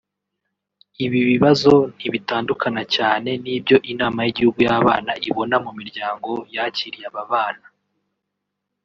Ibi bibazo ntibitandukana cyane n’ibyo inama y’igihugu y’abana ibona mu miryango yakiriye aba bana